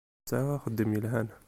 Sɛiɣ axeddim yelhan.